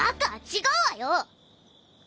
違うわよ！